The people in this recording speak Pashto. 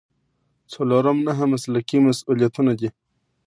څلورم نهه مسلکي مسؤلیتونه دي.